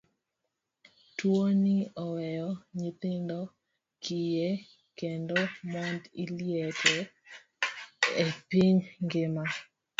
Tuoni oweyo nyithindo kiye kendo mond liete e piny ngima.